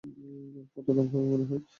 কত দাম হবে, মনেহয়?